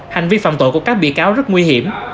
hành vi phạm tội của các bị cáo rất nguy hiểm